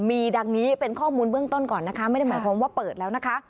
มีดังนี้เป็นข้อมูลเบื้องต้นก่อนนะคะไม่ได้หมายความว่าเปิดแล้วนะคะ